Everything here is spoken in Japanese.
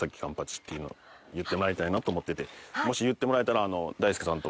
もし言ってもらえたら。